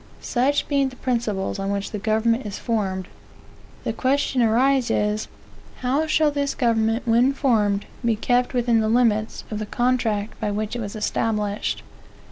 Such being the principles on which the government is formed, the question arises, how shall this government, where formed, be kept within the limits of the contract by which it was established?